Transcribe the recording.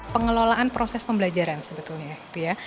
pengelolaan proses pembelajaran sebetulnya